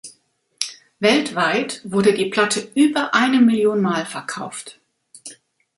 Weltweit wurde die Platte über eine Million Mal verkauft.